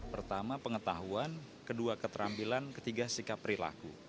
pertama pengetahuan kedua keterampilan ketiga sikap perilaku